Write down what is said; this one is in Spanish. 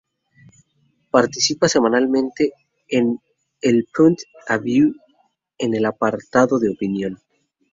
Participa semanalmente en El Punt Avui, en el apartado de opinión.